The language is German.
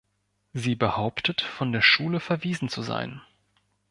Sie behauptet, von der Schule verwiesen zu sein.